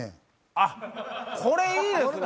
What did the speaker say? あっこれいいですね！